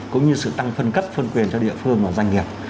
cũng như sự tăng phân cấp phân quyền cho địa phương và doanh nghiệp